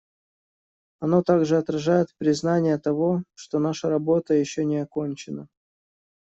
Оно также отражает признание того, что наша работа еще не окончена.